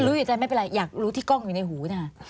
อยู่ใจไม่เป็นไรอยากรู้ที่กล้องอยู่ในหูนะคะ